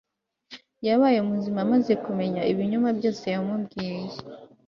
yabaye muzima amaze kumenya ibinyoma byose yamubwiye